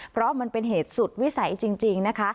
เพราะมันเป็นเหตุสุดวิสัยจริงนะคะ